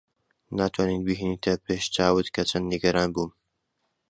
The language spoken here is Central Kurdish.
ناتوانیت بیهێنیتە پێش چاوت کە چەند نیگەران بووم.